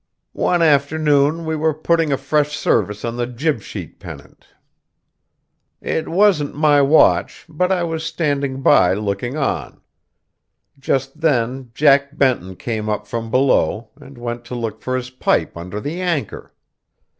One afternoon we were putting a fresh service on the jib sheet pennant. It wasn't my watch, but I was standing by looking on. Just then Jack Benton came up from below, and went to look for his pipe under the anchor.